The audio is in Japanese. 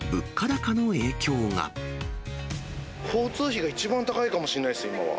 交通費が一番高いかもしれないです、今は。